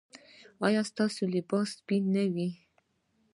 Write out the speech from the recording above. ایا ستاسو لباس به سپین نه وي؟